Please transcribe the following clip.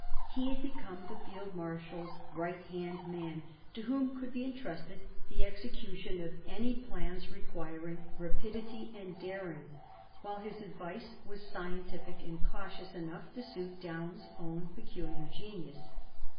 He had become the field marshal's right hand man, to whom could be entrusted the execution of any plans requiring rapidity and daring, while his advice was scientific and cautious enough to suit Daun's own peculiar genius.